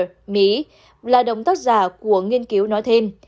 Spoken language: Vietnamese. học y ballard là đồng tác giả của nghiên cứu nói thêm